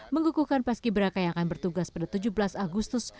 mengukuhkan paski braka yang akan bertugas pada tujuh belas agustus